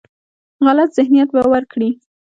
غلط ذهنیت به ورکړي.